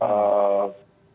halaman sebelum itu